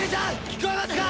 聞こえますか！？